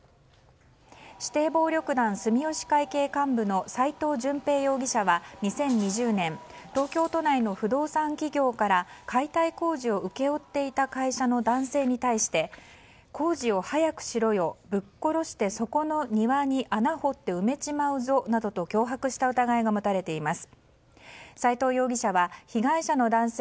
指定暴力団住吉会系幹部の斉藤順平容疑者は２０２０年東京都内の不動産企業から解体工事を請け負っていた会社の男性に対して工事を早くしろよぶっ殺してそこの庭に穴掘って埋めちまうぞなどと脅迫した疑いが持たれています。